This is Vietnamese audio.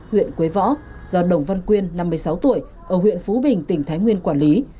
huyện quế võ do đồng văn quyên năm mươi sáu tuổi ở huyện phú bình tỉnh thái nguyên quản lý